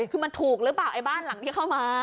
คือมันถูกหรือเปล่าไอ้บ้านหลังที่เข้ามา